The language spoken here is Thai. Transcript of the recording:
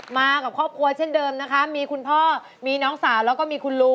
มากับครอบครัวเช่นเดิมนะคะมีคุณพ่อมีน้องสาวแล้วก็มีคุณลุง